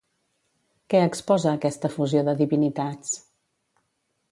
Què exposa aquesta fusió de divinitats?